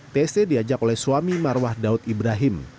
tst diajak oleh suami marwah daud ibrahim